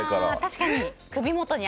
確かに。